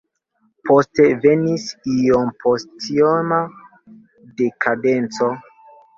Poste venis iompostioma dekadenco.